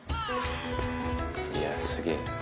いやすげえ。